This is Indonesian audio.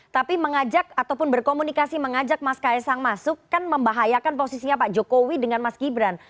tapi mengajak ataupun berkomunikasi mengajak mas kaisang masuk kan membahayakan posisinya pak jokowi dengan mas gibran